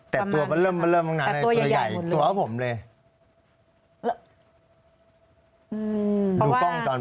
แต่ตัวมันเริ่มตัวใหญ่ตัวผมเลย